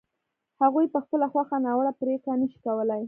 هغوی په خپله خوښه ناوړه پرېکړه نه شي کولای.